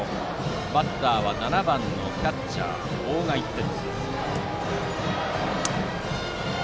バッターは７番キャッチャー、大賀一徹。